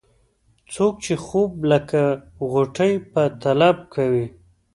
څوک چې خوب لکه غوټۍ په طلب کوي.